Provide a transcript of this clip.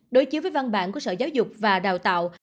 đối chiếu với văn bản của sở giáo dục và đào tạo